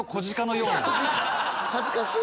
恥ずかしい！